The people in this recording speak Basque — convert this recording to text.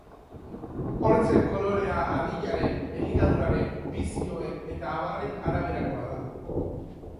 Hortzen kolorea adinaren, elikaduraren, bizioen eta abarren araberakoa da.